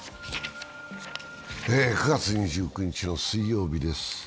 ９月２９日の水曜日です。